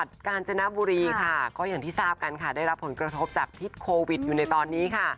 ได้รับผลกระทบจากพิษโควิดอยู่ในตอนนี้